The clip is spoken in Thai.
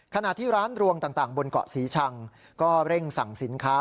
ขณะที่ร้านรวงต่างบนเกาะศรีชังก็เร่งสั่งสินค้า